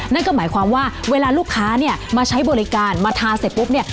นั่นก็หมายความว่าเวลาลูกค้าเนี่ยมาใช้บริการมาทาเสร็จปุ๊บเนี่ย